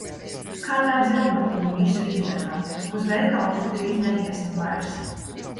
Kā tādi robotiņi visu izdarām. Uz veikalu tik drīz neiesim vairs.